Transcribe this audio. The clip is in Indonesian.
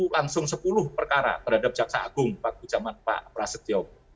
dalam satu turun waktu langsung sepuluh perkara terhadap jaksa agung waktu zaman pak prasetyo